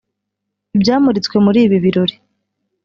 Ibyamuritswe muri ibi birori